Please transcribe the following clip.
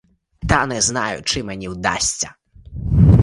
Та не знаю, чи мені вдасться.